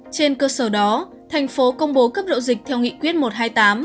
trên cơ sở đó thành phố công bố cấp độ dịch theo nghị quyết một trăm hai mươi tám